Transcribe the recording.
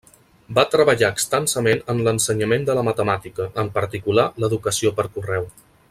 Va treballar extensament en l'ensenyament de la matemàtica, en particular l'educació per correu.